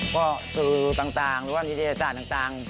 ก็สื่อต่างหรือว่านิทยาศาสตร์ต่าง